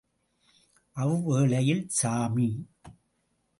அவ்வேளையில் சாமி!